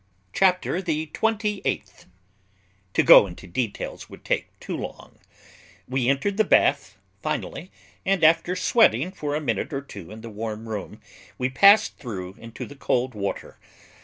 CHAPTER THE TWENTY EIGHTH. To go into details would take too long. We entered the bath, finally, and after sweating for a minute or two in the warm room, we passed through into the cold water.